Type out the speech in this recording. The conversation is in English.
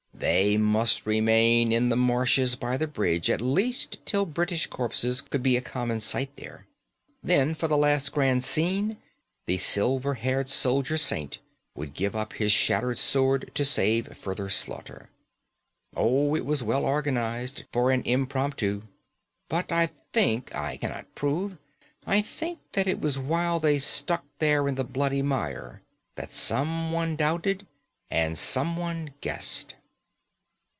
They must remain in the marshes by the bridge at least till British corpses should be a common sight there. Then for the last grand scene; the silver haired soldier saint would give up his shattered sword to save further slaughter. Oh, it was well organised for an impromptu. But I think (I cannot prove), I think that it was while they stuck there in the bloody mire that someone doubted and someone guessed."